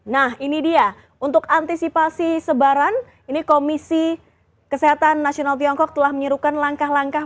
nah ini dia untuk antisipasi sebaran ini komisi kesehatan nasional tiongkok telah menyerukan langkah langkah